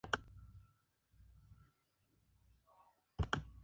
Tras esto, el club debía volver a Segunda División Profesional.